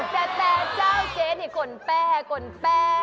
แต่แต่เจ้าเจ๊นี่คนแป่